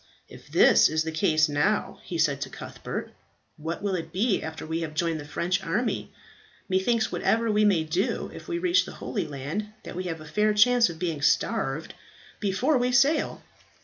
"If this is the case now," he said to Cuthbert, "what will it be after we have joined the French army? Methinks whatever we may do if we reach the Holy Land, that we have a fair chance of being starved before we sail."